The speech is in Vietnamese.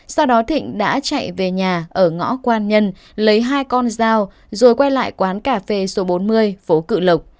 sau đó thịnh đã chạy về nhà ở ngõ quan nhân lấy hai con dao rồi quay lại quán cà phê số bốn mươi phố cự lộc